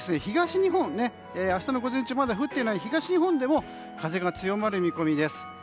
明日の午前中まだ降っていない東日本でも風が強まる見込みです。